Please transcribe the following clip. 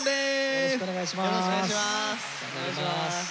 よろしくお願いします。